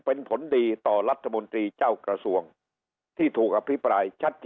เป็นผลดีต่อรัฐมนตรีเจ้ากระทรวงที่ถูกอภิปรายชัดเจน